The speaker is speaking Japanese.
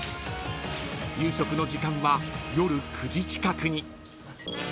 ［夕食の時間は夜９時近くに］